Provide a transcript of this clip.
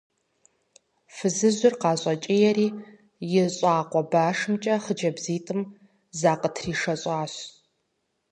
Фызыжьыр къатекӀиери и щӀакъуэ башымкӀэ хъыджэбзитӀым закъытришэщӀащ.